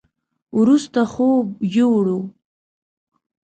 وروسته خوب يوووړ.